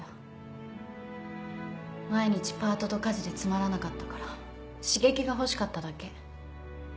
毎日パートと家事でつまらなかったから刺激が欲しかっただけ。